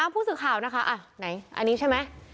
ผู้สื่อข่าวนะคะไหนอันนี้ใช่ไหม